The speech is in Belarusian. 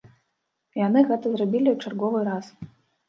І яны гэта зрабілі ў чарговы раз.